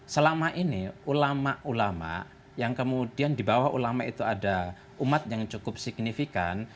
selama ini ulama ulama yang kemudian di bawah ulama itu ada umat yang cukup signifikan